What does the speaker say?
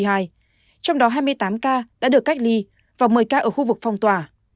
trong đó hai mươi tám ca đã được cách ly và một mươi ca ở khu vực phong tỏa